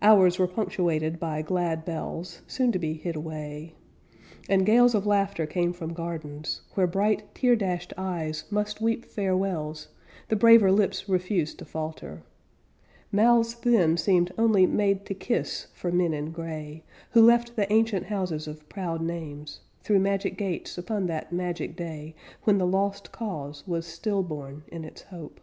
Hours were punctuated by glad bells, Soon to be hid away, And gales of laughter came from gardens, Where bright tear dashed eyes must weep farewells The braver lips refused to falter Mouths then seemed only made to kiss For men in gray, Who left the ancient houses of proud names, Through magic gates upon that magic day When the lost cause was still born in its hope.